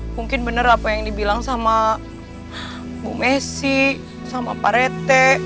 mungkin bener apa yang dibilang sama bu messi sama pak rete